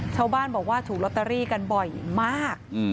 ชาวบ้านบอกว่าถูกลอตเตอรี่กันบ่อยมาก